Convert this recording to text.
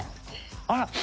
あら！